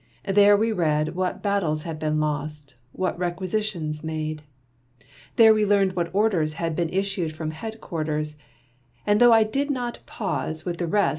There we read what bat tles had been lost, what requisitions made ; there we learned what orders had issued from head 849303 2 Monday Tales. •quarteb. ' 'Mi^ though I did not pause with the .rest